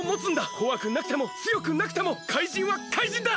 こわくなくてもつよくなくても怪人は怪人だ！